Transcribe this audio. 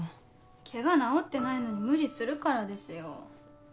ケガ治ってないのに無理するからですよ。